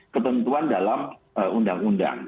ketentuan dalam undang undang